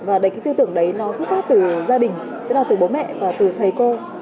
và cái tư tưởng đấy nó xuất phát từ gia đình tức là từ bố mẹ và từ thầy cô